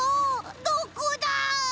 どこだ？